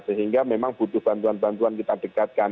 sehingga memang butuh bantuan bantuan kita dekatkan